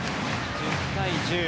１０対１０